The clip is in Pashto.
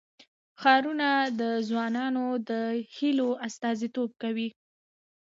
ښارونه د ځوانانو د هیلو استازیتوب کوي.